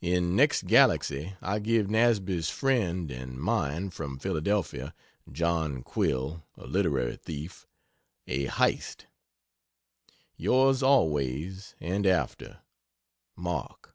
In next Galaxy I give Nasby's friend and mine from Philadelphia (John Quill, a literary thief) a "hyste." Yours always and after. MARK.